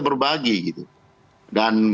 berbagi gitu dan